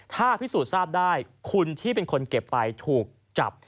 ถ้าพิสูจน์ทราบได้คุณที่เป็นคนเก็บไปถูกจับ